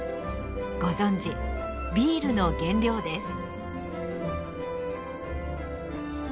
ご存じビールの原料です。